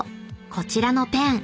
こちらのペン］